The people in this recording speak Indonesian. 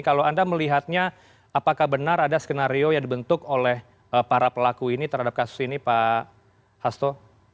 kalau anda melihatnya apakah benar ada skenario yang dibentuk oleh para pelaku ini terhadap kasus ini pak hasto